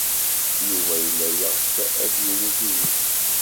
Yuba yella yeɣs ad d-yini tidet.